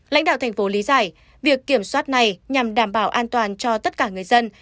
lãnh đạo thành phố lý giải việc kiểm soát này nhằm đảm bảo an toàn cho tất cả người dân